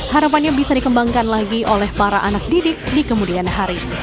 harapannya bisa dikembangkan lagi oleh para anak didik di kemudian hari